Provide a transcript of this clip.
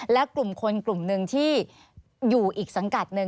และกลุ่มคนกลุ่มหนึ่งที่อยู่อีกสังกัดหนึ่ง